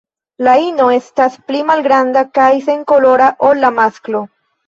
La ino estas pli malgranda kaj senkolora ol la masklo.